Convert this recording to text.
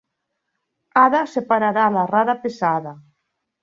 Ada separarà la rara pesada.